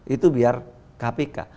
itu biar kpk